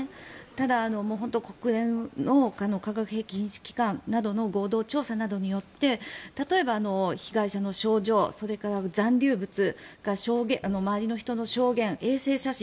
ただ、国連の化学兵器禁止機関などの合同調査によって例えば被害者の症状それから残留物周りの人の証言、衛星写真